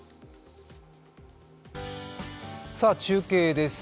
中継です。